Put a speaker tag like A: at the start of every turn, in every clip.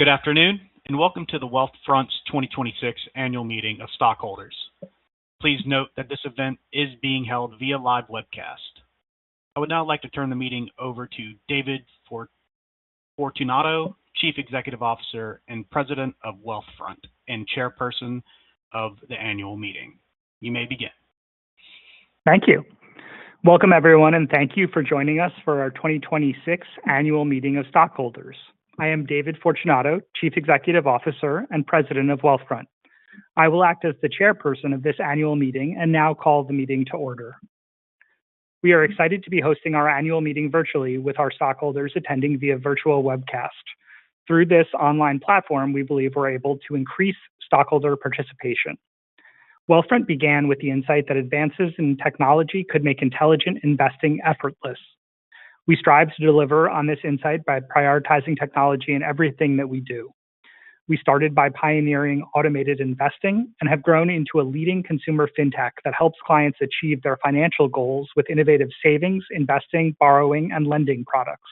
A: Good afternoon, and welcome to Wealthfront's 2026 annual meeting of stockholders. Please note that this event is being held via live webcast. I would now like to turn the meeting over to David Fortunato, Chief Executive Officer and President of Wealthfront, and Chairperson of the annual meeting. You may begin.
B: Thank you. Welcome, everyone, and thank you for joining us for our 2026 annual meeting of stockholders. I am David Fortunato, Chief Executive Officer and President of Wealthfront. I will act as the chairperson of this annual meeting and now call the meeting to order. We are excited to be hosting our annual meeting virtually with our stockholders attending via virtual webcast. Through this online platform, we believe we're able to increase stockholder participation. Wealthfront began with the insight that advances in technology could make intelligent investing effortless. We strive to deliver on this insight by prioritizing technology in everything that we do. We started by pioneering automated investing and have grown into a leading consumer fintech that helps clients achieve their financial goals with innovative savings, investing, borrowing, and lending products.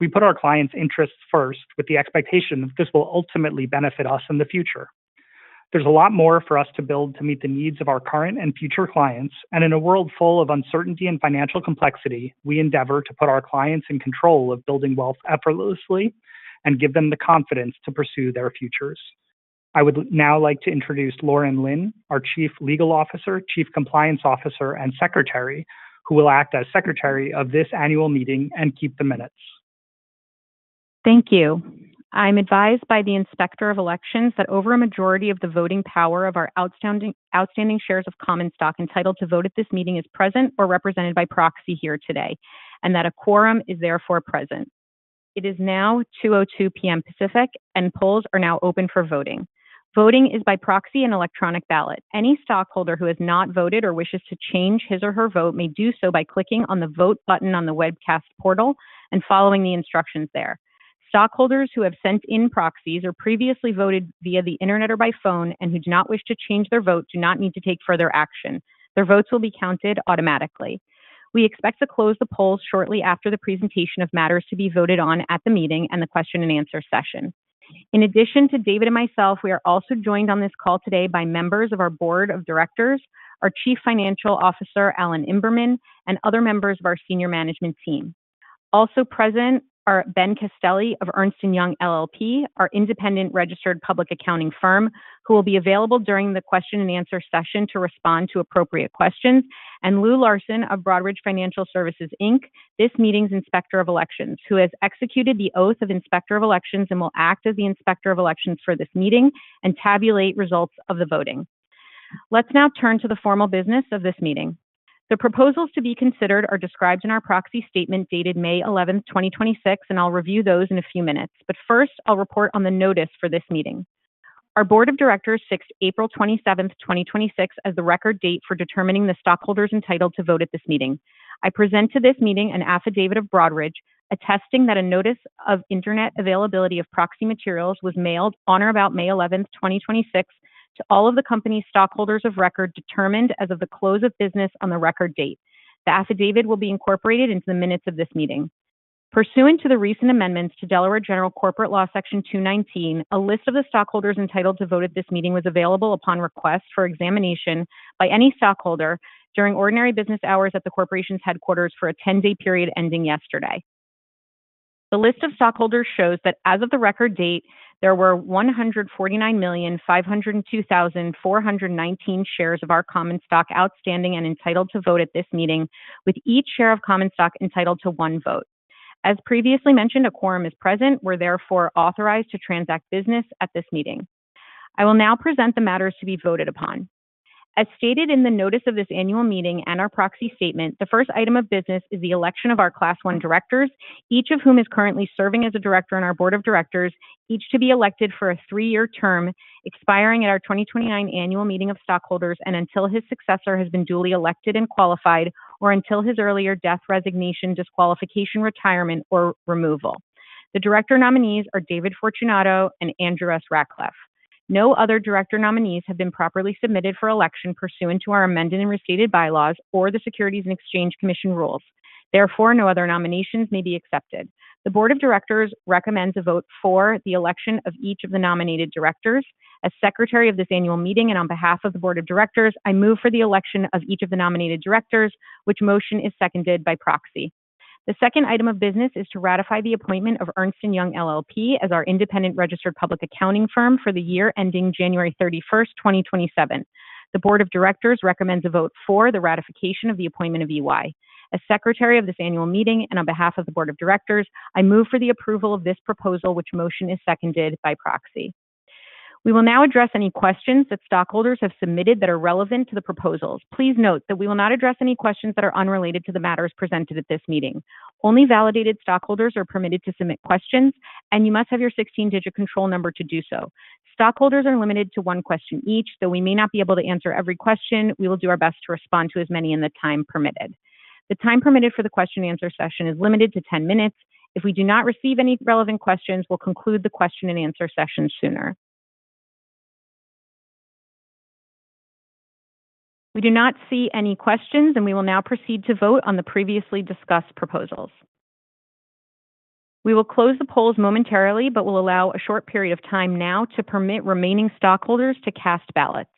B: We put our clients' interests first with the expectation that this will ultimately benefit us in the future. There's a lot more for us to build to meet the needs of our current and future clients. In a world full of uncertainty and financial complexity, we endeavor to put our clients in control of building wealth effortlessly and give them the confidence to pursue their futures. I would now like to introduce Lauren Lin, our Chief Legal Officer, Chief Compliance Officer, and Secretary, who will act as Secretary of this annual meeting and keep the minutes.
C: Thank you. I'm advised by the Inspector of Elections that over a majority of the voting power of our outstanding shares of common stock entitled to vote at this meeting is present or represented by proxy here today, and that a quorum is therefore present. It is now 2:02 P.M. Pacific, polls are now open for voting. Voting is by proxy and electronic ballot. Any stockholder who has not voted or wishes to change his or her vote may do so by clicking on the Vote button on the webcast portal and following the instructions there. Stockholders who have sent in proxies or previously voted via the internet or by phone and who do not wish to change their vote do not need to take further action. Their votes will be counted automatically. We expect to close the polls shortly after the presentation of matters to be voted on at the meeting and the question and answer session. In addition to David and myself, we are also joined on this call today by members of our board of directors, our Chief Financial Officer, Alan Imberman, and other members of our senior management team. Also present are Ben Castelli of Ernst & Young LLP, our independent registered public accounting firm, who will be available during the question and answer session to respond to appropriate questions, and Lou Larsen of Broadridge Financial Services Inc., this meeting's Inspector of Elections, who has executed the oath of Inspector of Elections and will act as the Inspector of Elections for this meeting and tabulate results of the voting. Let's now turn to the formal business of this meeting. The proposals to be considered are described in our proxy statement dated May 11th, 2026, and I'll review those in a few minutes. First, I'll report on the notice for this meeting. Our board of directors fixed April 27th, 2026, as the record date for determining the stockholders entitled to vote at this meeting. I present to this meeting an affidavit of Broadridge attesting that a notice of internet availability of proxy materials was mailed on or about May 11th, 2026, to all of the company's stockholders of record determined as of the close of business on the record date. The affidavit will be incorporated into the minutes of this meeting. Pursuant to the recent amendments to Delaware General Corporation Law Section 219, a list of the stockholders entitled to vote at this meeting was available upon request for examination by any stockholder during ordinary business hours at the corporation's headquarters for a 10-day period ending yesterday. The list of stockholders shows that as of the record date, there were 149,502,419 shares of our common stock outstanding and entitled to vote at this meeting, with each share of common stock entitled to one vote. As previously mentioned, a quorum is present. We're therefore authorized to transact business at this meeting. I will now present the matters to be voted upon. As stated in the notice of this annual meeting and our proxy statement, the first item of business is the election of our Class I directors, each of whom is currently serving as a director on our board of directors, each to be elected for a three-year term expiring at our 2029 annual meeting of stockholders and until his successor has been duly elected and qualified, or until his earlier death, resignation, disqualification, retirement, or removal. The director nominees are David Fortunato and Andrew S. Rachleff. No other director nominees have been properly submitted for election pursuant to our amended and restated bylaws or the Securities and Exchange Commission rules. Therefore, no other nominations may be accepted. The board of directors recommends a vote for the election of each of the nominated directors. As Secretary of this annual meeting and on behalf of the board of directors, I move for the election of each of the nominated directors, which motion is seconded by proxy. The second item of business is to ratify the appointment of Ernst & Young LLP as our independent registered public accounting firm for the year ending January 31st, 2027. The board of directors recommends a vote for the ratification of the appointment of EY. As Secretary of this annual meeting and on behalf of the board of directors, I move for the approval of this proposal, which motion is seconded by proxy. We will now address any questions that stockholders have submitted that are relevant to the proposals. Please note that we will not address any questions that are unrelated to the matters presented at this meeting. Only validated stockholders are permitted to submit questions, and you must have your 16-digit control number to do so. Stockholders are limited to one question each. Though we may not be able to answer every question, we will do our best to respond to as many in the time permitted. The time permitted for the question and answer session is limited to 10 minutes. If we do not receive any relevant questions, we will conclude the question and answer session sooner. We do not see any questions, and we will now proceed to vote on the previously discussed proposals. We will close the polls momentarily, but will allow a short period of time now to permit remaining stockholders to cast ballots.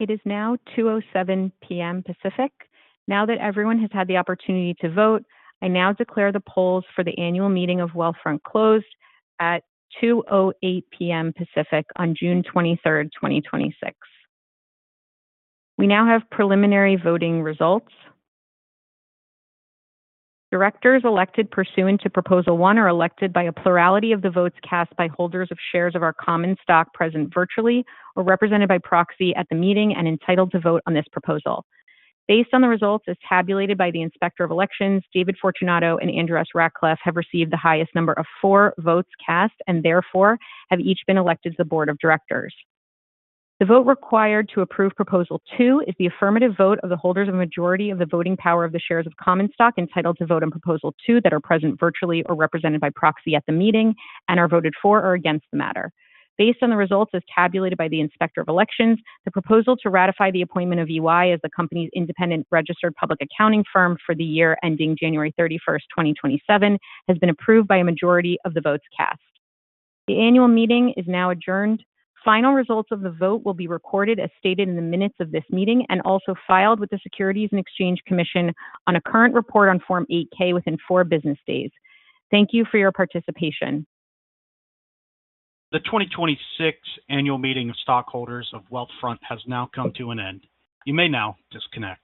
C: It is now 2:07 P.M. Pacific. Now that everyone has had the opportunity to vote, I now declare the polls for the annual meeting of Wealthfront closed at 2:08 P.M. Pacific on June 23rd, 2026. We now have preliminary voting results. Directors elected pursuant to proposal one are elected by a plurality of the votes cast by holders of shares of our common stock present virtually or represented by proxy at the meeting and entitled to vote on this proposal. Based on the results as tabulated by the Inspector of Elections, David Fortunato and Andrew S. Rachleff have received the highest number of four votes cast and therefore have each been elected to the board of directors. The vote required to approve proposal two is the affirmative vote of the holders of majority of the voting power of the shares of common stock entitled to vote on proposal two that are present virtually or represented by proxy at the meeting and are voted for or against the matter. Based on the results as tabulated by the Inspector of Elections, the proposal to ratify the appointment of EY as the company's independent registered public accounting firm for the year ending January 31st, 2027, has been approved by a majority of the votes cast. The annual meeting is now adjourned. Final results of the vote will be recorded as stated in the minutes of this meeting and also filed with the Securities and Exchange Commission on a current report on Form 8-K within four business days. Thank you for your participation.
A: The 2026 annual meeting of stockholders of Wealthfront has now come to an end. You may now disconnect.